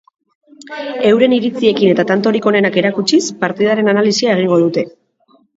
Euren iritziekin eta tantorik onenak erakutsiz, partidaren analisia egingo dute.